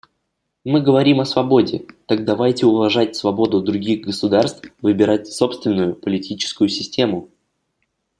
Мы говорим о свободе; так давайте уважать свободу других государств выбирать собственную политическую систему.